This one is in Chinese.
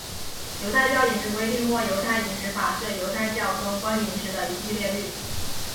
犹太教饮食规定或犹太饮食法是犹太教中关于饮食的一系列律。